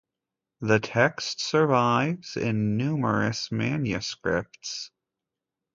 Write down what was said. The text survives in numerous manuscripts.